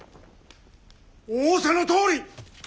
仰せのとおり！